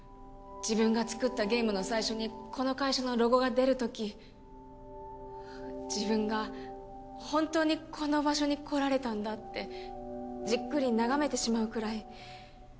自分が作ったゲームの最初にこの会社のロゴが出るとき自分が本当にこの場所にこられたんだってじっくり眺めてしまうくらい。